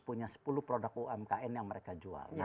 punya sepuluh produk umkm yang mereka jual